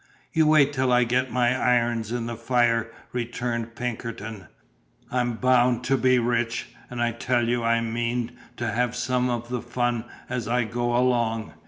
"You wait till I get my irons in the fire!" returned Pinkerton. "I'm bound to be rich; and I tell you I mean to have some of the fun as I go along.